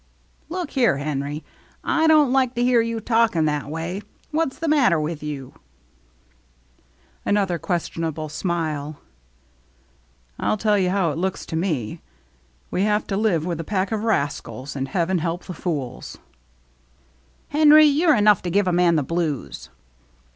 " Look here, Henry, I don't like to hear 192 THE MERRT ANNE you talking that way. What's the matter with Another questionable smile. *' I'll tell you how it looks to me. We have to live with a pack of rascals, and heaven help the fools !"" Henry, you're enough to give a man the blues."